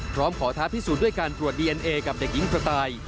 พร้อมขอท้าพิสูจน์ด้วยการตรวจดีเอ็นเอกับเด็กหญิงกระต่าย